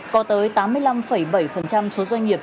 có tới tám mươi năm bảy số doanh nghiệp